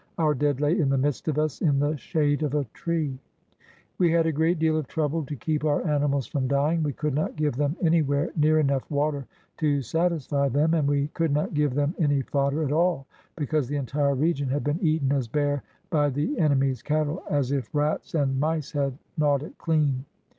Our dead lay in the midst of us in the shade of a tree. We had a great deal of trouble to keep our animals from dying. We could not give them anywhere near enough water to satisfy them, and we could not give them any fodder at all, because the entire region had been eaten as bare by the enemy's cattle as if rats and 483 SOUTH AFRICA mice had gnawed it clean.